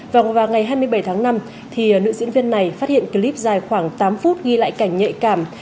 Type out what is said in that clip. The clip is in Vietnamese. vâng vào ngày hai mươi bảy tháng năm thì nữ diễn viên này phát hiện clip dài khoảng tám phút ghi lại cảnh nhạy cảm